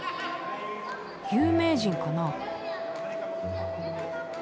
有名人かな？